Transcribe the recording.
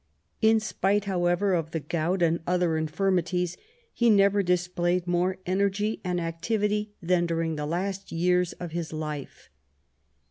In spite, however, of the gout and other infirmities, he never displayed more energy and activity than during the last years of his life.